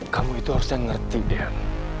kamu itu harusnya ngerti dem